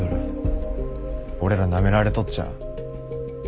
俺らなめられとっちゃ。